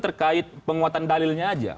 terkait penguatan dalilnya saja